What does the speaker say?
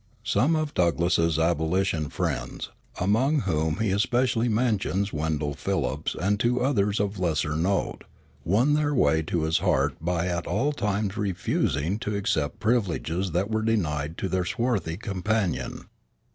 Some of Douglass's abolition friends, among whom he especially mentions Wendell Phillips and two others of lesser note, won their way to his heart by at all times refusing to accept privileges that were denied to their swarthy companion.